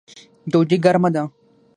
ډوډۍ ګرمه ده